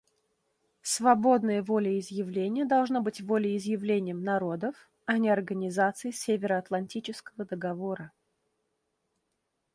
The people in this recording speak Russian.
Свободное волеизъявление должно быть волеизъявлением народов, а не Организации Североатлантического договора.